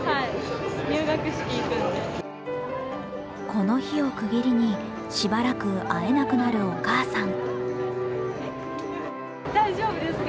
この日を区切りにしばらく会えなくなるお母さん。